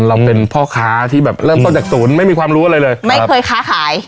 เราเป็นพ่อค้าที่แบบเริ่มต้นจากศูนย์ไม่มีความรู้อะไรเลยไม่เคยค้าขาย